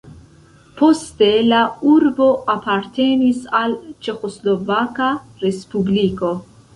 Poste la urbo apartenis al Ĉeĥoslovaka respubliko.